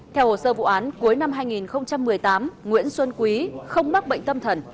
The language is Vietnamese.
theo hồ sơ vụ án cuối năm hai nghìn một mươi tám nguyễn xuân quý không mắc bệnh tâm thần